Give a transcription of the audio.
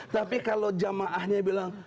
tapi kalau jamaahnya bilang